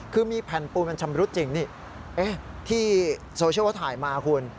คือมีแผ่นปูนมันชำรุดจริงนี่ที่โซเชียลเขาถ่ายมาคุณ